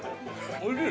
◆おいしい。